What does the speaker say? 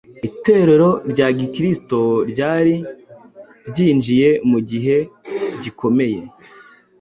Itorero rya Gikristo ryari ryinjiye mu gihe gikomeye.